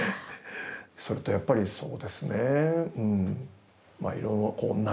それとやっぱりそうですね